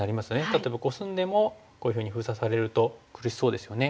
例えばコスんでもこういうふうに封鎖されると苦しそうですよね。